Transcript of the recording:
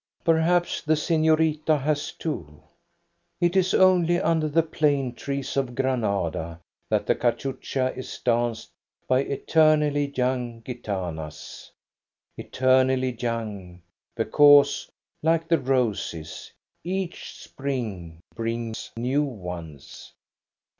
Perhaps the sefiorita has too. It is only under the plane trees of Granada that LA CACHUCHA 83 the cachucha is danced by eternally young gitanas. Eternally young, because, like the roses, each spring brings new ones.